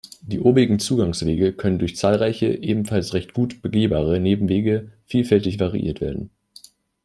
Die obigen Zugangswege können durch zahlreiche, ebenfalls recht gut begehbare Nebenwege vielfältig variiert werden.